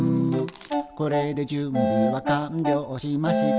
「これで準備は完了しました」